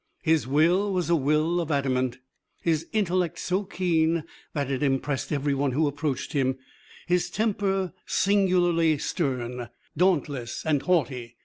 His will was a will of adamant; his intellect so keen that it impressed every one who approached him; his temper singularly stern, dauntless and haughty.